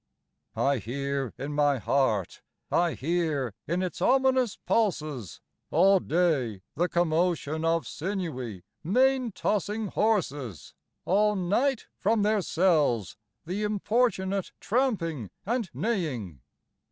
_I hear in my heart, I hear in its ominous pulses, All day, the commotion of sinewy, mane tossing horses; All night, from their cells, the importunate tramping and neighing.